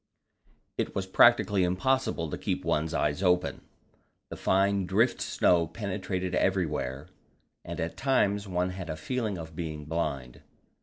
It was practically impossible to keep one's eyes open; the fine drift snow penetrated everywhere, and at times one had a feeling of being blind.